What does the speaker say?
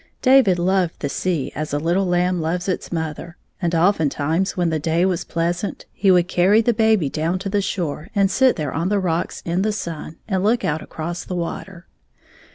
David loved the sea as a Uttle lamb loves its mother, and oftentimes when the day was pleasant he would carry the baby down to the shore and sit there on the rocks in the sun and look out across the water.